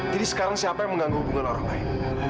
jadi sekarang siapa yang mengganggu hubungan orang lain